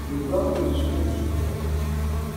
Yuba ur yettfunzur.